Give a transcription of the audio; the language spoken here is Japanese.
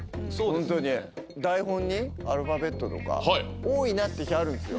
ホントに台本にアルファベットとか多いなって日あるんですよ